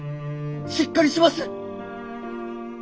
しっかりします！